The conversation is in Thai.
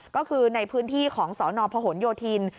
ก็คือในพื้นที่ของสนพหนโยธิน